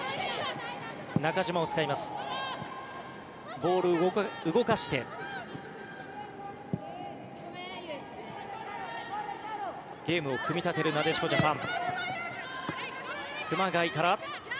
ボールを動かしてゲームを組み立てるなでしこジャパン。